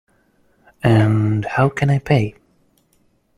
And how can I pay?